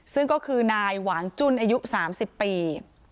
ซึ่งก็คือนายหวางจุ้นอายุ๓๐ปี